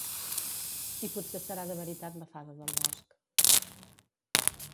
I potser serà de veritat la fada del bosc